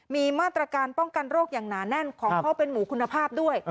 มีมาตรการป้องกันโรคอย่างหนาแน่นของเขาเป็นหมูคุณภาพด้วย